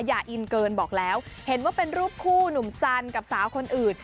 อินเกินบอกแล้วเห็นว่าเป็นรูปคู่หนุ่มซันกับสาวคนอื่น